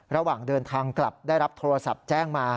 ระหว่างเดินทางกลับได้รับโทรศัพท์แจ้งมา